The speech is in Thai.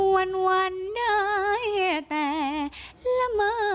วันได้แต่ละเมอ